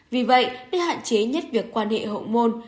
vì vậy để hạn chế nhất việc quan hệ hậu môn